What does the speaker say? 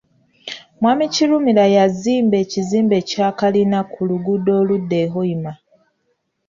Mwami Kirumira yazimba ekizimbe kya kalina ku luguudo oludda e Hoima.